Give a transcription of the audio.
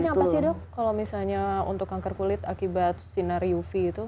gijalanya apa sih dok kalau misalnya untuk kanker kulit akibat sinar uv itu